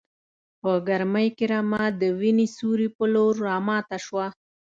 په ګرمۍ کې رمه د وینې سیوري په لور راماته شوه.